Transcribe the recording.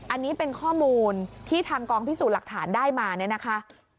อันนี้เป็นข้อมูลที่ทางกองพิสูจน์หลักฐานได้มาเนี่ยนะคะ